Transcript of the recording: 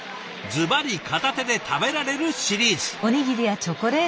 ずばり片手で食べられるシリーズ。